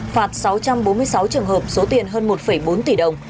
phạt sáu trăm bốn mươi sáu trường hợp số tiền hơn một bốn tỷ đồng